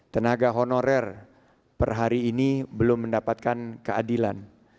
tenaga honorer per hari ini belum mendapatkan keadilan